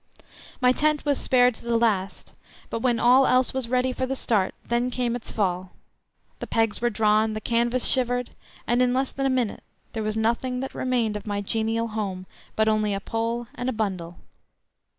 My tent was spared to the last, but when all else was ready for the start then came its fall; the pegs were drawn, the canvas shivered, and in less than a minute there was nothing that remained of my genial home but only a pole and a bundle.